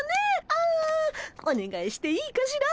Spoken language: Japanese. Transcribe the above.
あおねがいしていいかしら？